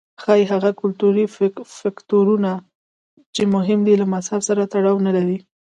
ښايي هغه کلتوري فکټورونه چې مهم دي له مذهب سره تړاو نه لري.